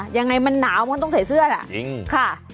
ยังไงมันหนาวมันต้องใส่เสื้อล่ะ